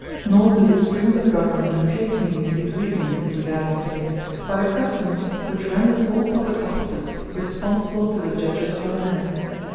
Nor do the springs of government appear to me to be weakened in the United States by the custom which renders all public officers responsible to the judges of the land.